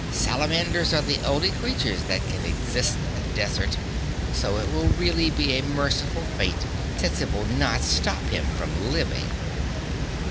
Salamanders are the only creatures that can exist in the desert, so it will really be a merciful fate, since it will not stop him from living."